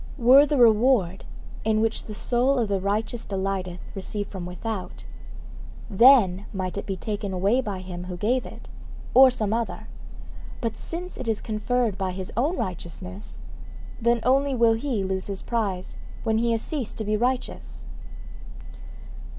Were the reward in which the soul of the righteous delighteth received from without, then might it be taken away by him who gave it, or some other; but since it is conferred by his own righteousness, then only will he lose his prize when he has ceased to be righteous.